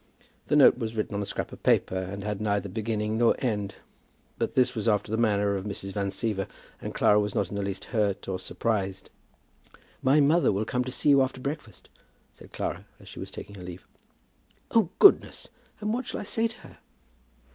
The note was written on a scrap of paper, and had neither beginning nor end; but this was after the manner of Mrs. Van Siever, and Clara was not in the least hurt or surprised. "My mother will come to see you after breakfast," said Clara, as she was taking her leave. "Oh, goodness! And what shall I say to her?"